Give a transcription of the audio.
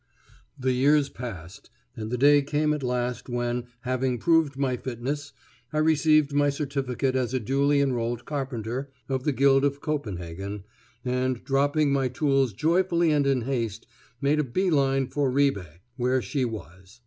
The years passed, and the day came at last when, having proved my fitness, I received my certificate as a duly enrolled carpenter of the guild of Copenhagen, and, dropping my tools joyfully and in haste, made a bee line for Ribe, where she was.